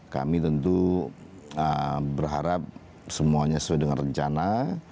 kami tentu berharap semuanya sesuai dengan rencana